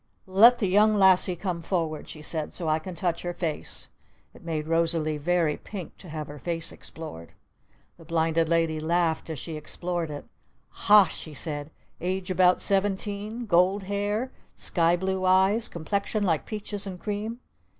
Let the Young Lassie come forward," she said, "so I can touch her face!" It made Rosalee very pink to have her face explored. The Blinded Lady laughed as she explored it. "Ha!" she said. "Age about seventeen? Gold hair? Sky blue eyes? Complexion like peaches and cream?